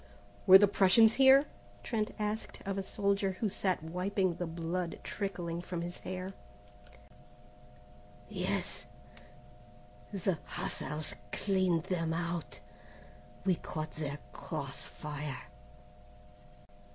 "Were the Prussians here?" Trent asked of a soldier who sat wiping the blood trickling from his hair. "Yes. The hussars cleaned them out. We caught their cross fire."